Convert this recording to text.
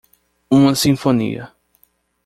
Uma sinfonia.